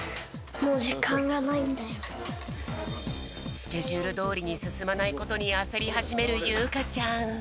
スケジュールどおりにすすまないことにあせりはじめるゆうかちゃん。